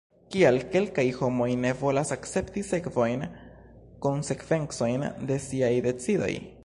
Kial kelkaj homoj ne volas akcepti sekvojn, konsekvencojn de siaj decidoj?